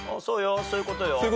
そういうことよ。